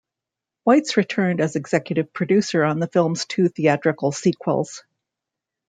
Weitz returned as executive producer on the film's two theatrical sequels.